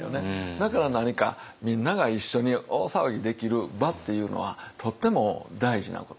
だから何かみんなが一緒に大騒ぎできる場っていうのはとっても大事なこと。